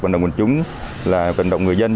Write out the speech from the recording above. vận động nguồn chúng vận động người dân